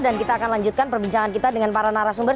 dan kita akan lanjutkan perbincangan kita dengan para narasumber